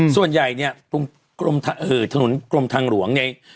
ส่วนใหญ่เนี่ยตรงถนนกรมทางหลวงเนี่ย